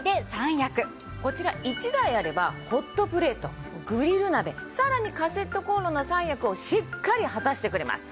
こちら１台あればホットプレートグリル鍋さらにカセットコンロの３役をしっかり果たしてくれます。